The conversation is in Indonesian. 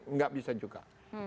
nggak bisa juga